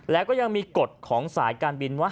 แล้วก็ยังมีกฎของสายการบินว่า